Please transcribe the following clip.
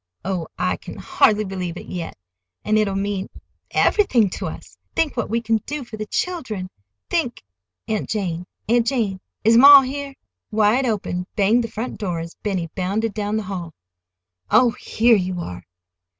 Oh, I can hardly believe it yet. And it'll mean—everything to us. Think what we can do for the children. Think—" "Aunt Jane, Aunt Jane, is ma here?" Wide open banged the front door as Benny bounded down the hall. "Oh, here you are!